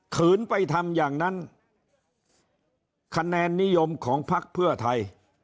ขืนไปทำอย่างนั้นคะแนนนิยมของพักเพื่อไทย